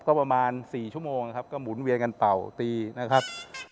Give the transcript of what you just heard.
ก็ประมาณ๔ชั่วโมงนะครับก็หมุนเวียนกันเป่าตีนะครับ